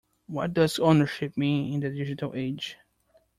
What does ownership mean in the digital age?